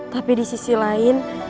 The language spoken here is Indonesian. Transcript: tapi di sisi lain